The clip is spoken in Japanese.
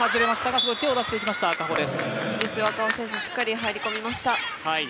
いいですよ、赤穂選手しっかり入り込みました。